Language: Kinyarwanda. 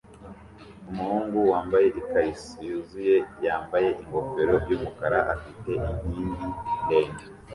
Umuhungu wambaye ikariso yuzuye yambaye ingofero yumukara afite inkingi ndende